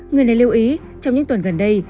người này lưu ý trong những tuần gần đây